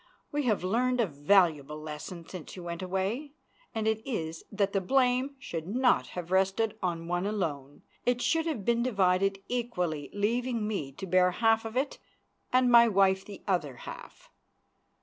We have learned a valuable lesson since you went away, and it is that the blame should not have rested on one alone. It should have been divided equally, leaving me to bear half of it and my wife the other half.